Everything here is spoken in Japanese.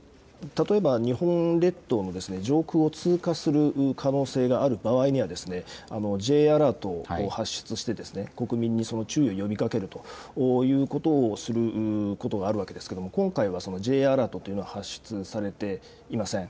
例えば日本列島の上空を通過する可能性がある場合にはＪアラートを発出して国民に注意を呼びかけるということをすることがあるわけですけれど今回はＪアラートというのは発出はされていません。